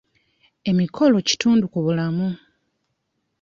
Emikolo kitundu ku bulamu.